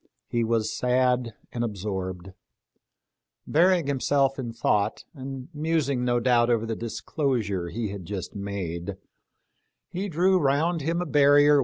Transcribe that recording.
He was sad and absorbed. Burying himself in thought, and musing no doubt over the disclosure he had just made, he drew round him a barrier which I feared to penetrate.